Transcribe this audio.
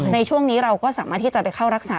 ในช่วงนี้เราก็สามารถที่จะไปเข้ารักษา